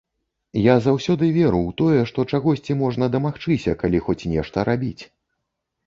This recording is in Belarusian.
Я заўсёды веру ў тое, што чагосьці можна дамагчыся, калі хоць нешта рабіць.